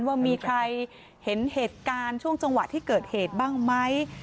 ว่ามีใครเห็นเหตุการณ์ช่วงจังหวะที่เกิดเหตุบ้างไหม